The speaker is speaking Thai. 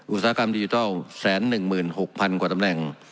อุตสาหกรรมดิจิทัลแสนหนึ่งหมื่นหกพันกว่าตำแหน่ง